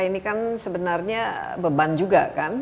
ini kan sebenarnya beban juga kan